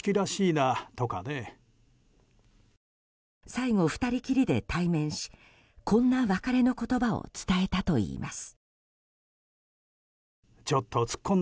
最後、２人きりで対面しこんな別れの言葉を伝えたといいます。